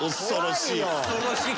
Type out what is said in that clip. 恐ろしい！